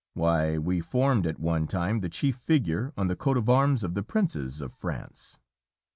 Why, we formed at one time the chief figure on the coat of arms of the princes of France.